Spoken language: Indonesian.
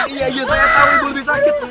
iya iya saya tau ibu lebih sakit